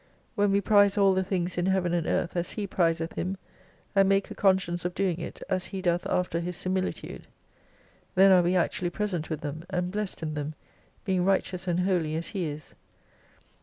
"When we prize aU the things in Heaven and Earth, as He prizeth Him, and make a conscience of doing it as He doth after His similitude ; then are we actually present with them, and blessed in them, being righteous and holy as He is.